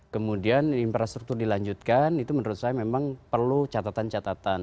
kemudian infrastruktur dilanjutkan itu menurut saya memang perlu catatan catatan